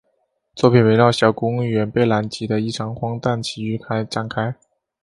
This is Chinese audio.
作品围绕小公务员贝兰吉的一场荒诞奇遇展开。